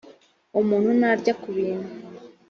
umuntu narya ku bintu